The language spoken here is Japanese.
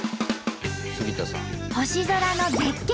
星空の絶景